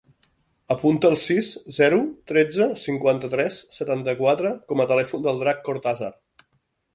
Apunta el sis, zero, tretze, cinquanta-tres, setanta-quatre com a telèfon del Drac Cortazar.